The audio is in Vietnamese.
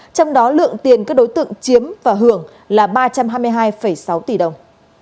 trong đó lượng tiền các đối tượng chiếm và hưởng là ba trăm hai mươi hai sáu tỷ đồng